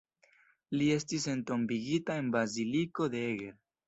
Li estas entombigita en Baziliko de Eger.